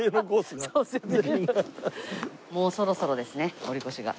もうそろそろですね堀越が。